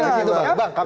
bang kamera di situ